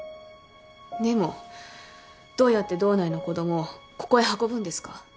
でもどうやって道内の子供をここへ運ぶんですか？